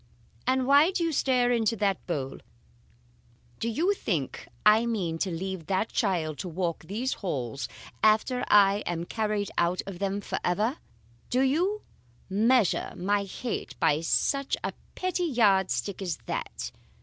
'And why do you stare into that bowl? Do you think I mean to leave that child to walk these halls after I am carried out of them forever? Do you measure my hate by such a petty yard stick as that?